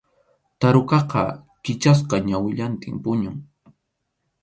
Tarukaqa kichasqa ñawillantin puñun.